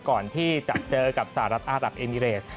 ก่อนที่จะเจอกับสหรัฐอารับเอมิเรส